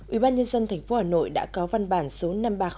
ủy ban nhân dân tp hà nội đã có văn bản số năm nghìn ba trăm linh ba